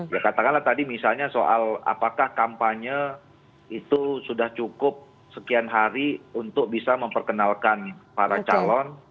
ya katakanlah tadi misalnya soal apakah kampanye itu sudah cukup sekian hari untuk bisa memperkenalkan para calon